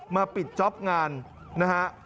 มาปิดจ๊อปงานนะฮะ